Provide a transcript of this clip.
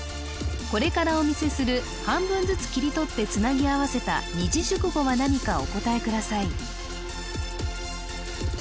これからお見せする半分ずつ切り取ってつなぎ合わせた二字熟語は何かお答えください